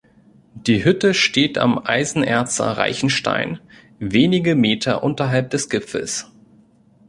Die Hütte steht am Eisenerzer Reichenstein wenige Meter unterhalb des Gipfels.